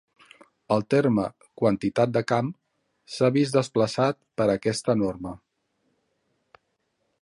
El terme "quantitat de camp" s'ha vist desplaçat per aquesta norma.